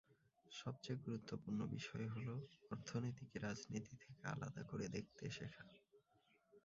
সবচেয়ে গুরুত্বপূর্ণ বিষয় হলো, অর্থনীতিকে রাজনীতি থেকে আলাদা করে দেখতে শেখা।